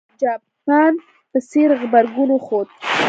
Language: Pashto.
دوی د جاپان په څېر غبرګون وښود.